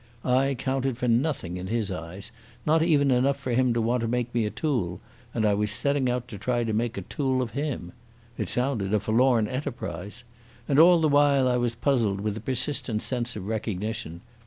I counted for nothing in his eyes, not even enough for him to want to make me a tool, and I was setting out to try to make a tool of him. It sounded a forlorn enterprise. And all the while I was puzzled with a persistent sense of recognition.